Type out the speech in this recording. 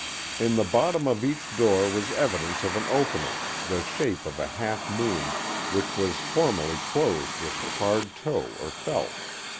In the bottom of each door was evidence of an opening, the shape of a half moon, which was formerly closed with tarred tow or felt.